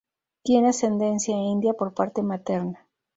Tiene ascendencia india por parte materna.